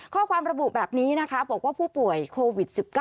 ข้อความระบุแบบนี้นะคะบอกว่าผู้ป่วยโควิด๑๙